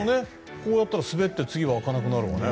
こうやったら、滑って次は開かなくなるわね。